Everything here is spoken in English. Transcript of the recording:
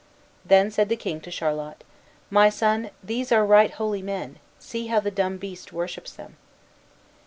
Then said the king to Charlot, "My son, these are right holy men; see how the dumb beast worships them."